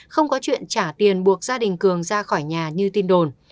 không có chuyện trả tiền buộc gia đình cường ra khỏi nhà như tin đồn